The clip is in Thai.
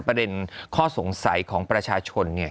เป็นข้อสงสัยของประชาชนเนี่ย